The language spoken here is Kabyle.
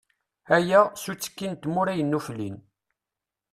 Aya, s uttiki n tmura yennuflin.